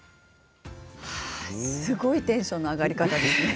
すごいテンションの上がり方。